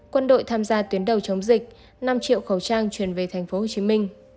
quân đội tham gia tuyến đầu chống dịch năm triệu khẩu trang chuyển về tp hcm